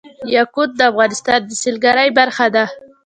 یاقوت د افغانستان د سیلګرۍ برخه ده.